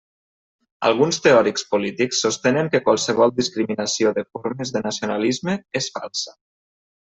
Alguns teòrics polítics sostenen que qualsevol discriminació de formes de nacionalisme és falsa.